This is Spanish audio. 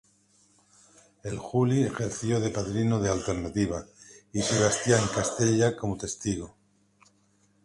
El Juli ejerció de padrino de alternativa y Sebastián Castella como testigo.